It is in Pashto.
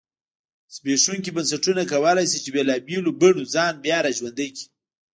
زبېښونکي بنسټونه کولای شي چې بېلابېلو بڼو ځان بیا را ژوندی کړی.